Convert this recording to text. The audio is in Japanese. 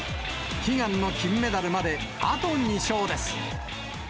悲願の金メダルまで、あと２勝です。